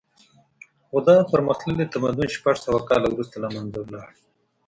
خو دا پرمختللی تمدن شپږ سوه کاله وروسته له منځه لاړ